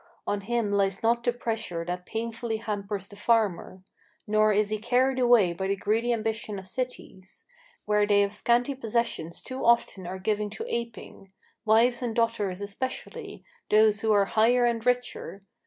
On him lies not the pressure that painfully hampers the farmer, Nor is he carried away by the greedy ambition of cities; Where they of scanty possessions too often are given to aping, Wives and daughters especially, those who are higher and richer.